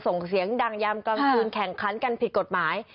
ส่งเสียงดังยามกลางคืนแข่งขันกันผิดกฎหมาย